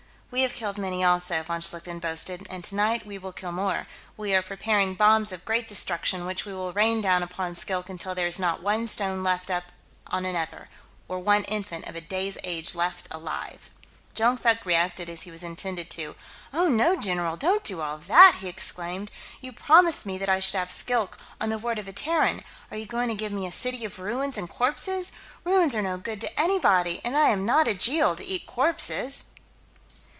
"We have killed many, also," von Schlichten boasted. "And tonight, we will kill more; we are preparing bombs of great destruction, which we will rain down upon Skilk until there is not one stone left upon another, or one infant of a day's age left alive!" Jonkvank reacted as he was intended to. "Oh, no, general, don't do all that!" he exclaimed. "You promised me that I should have Skilk, on the word of a Terran. Are you going to give me a city of ruins and corpses? Ruins are no good to anybody, and I am not a Jeel, to eat corpses."